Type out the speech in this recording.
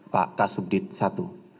pak kasugdit i